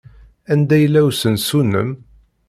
Anda yella usensu-nnem?